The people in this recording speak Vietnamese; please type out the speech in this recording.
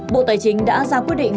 bộ tài chính đã ra quyết định